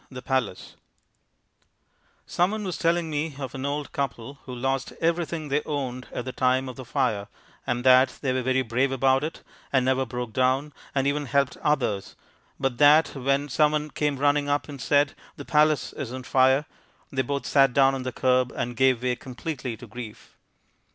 The Palace Someone was telling me of an old couple who lost everything they owned at the time of the fire, and that they were very brave about it and never broke down, and even helped others, but that when someone came running up and said: "The Palace is on fire," they both sat down on the curb and gave way completely to grief.